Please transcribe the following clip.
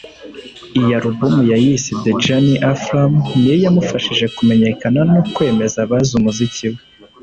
Iyi album yayise “The Journey Aflam” ni yo yamufashije kumenyekana no kwemeza abazi umuziki we